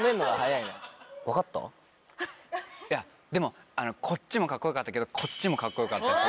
いやでもこっちもかっこ良かったけどこっちもかっこ良かったし。